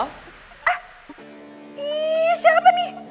ah ih siapa nih